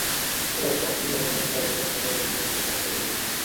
পরে অবশ্য অস্ট্রেলিয়ান অধিনায়ক তাঁর বেফাঁস কথার জন্য দুঃখও প্রকাশ করেছিলেন।